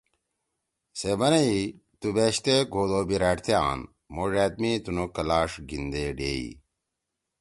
سے بنَئی: ”تُو بیشتے گھودو بیِرأڑتے آن! مھو ڙأت می تنُو کلاݜ گھیِندے ڈیئی۔“